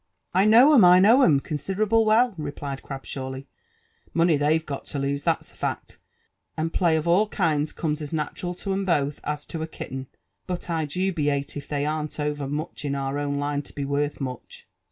*' I know 'em, I know 'em, conside|*able well," replied Crabshawly. Money they've got to lose, that's a fact, and play of all kinds comes as natural to 'em both as to a kitten; but I dubiale if they arn't over much in our own line to be worth much.